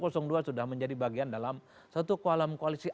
dua sudah menjadi bagian dalam satu kolam koalisi